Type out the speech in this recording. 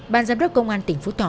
bàn giám đốc công an tỉnh phú thỏ